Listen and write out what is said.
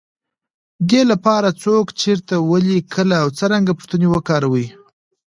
دې لپاره، څوک، چېرته، ولې، کله او څرنګه پوښتنې وکاروئ.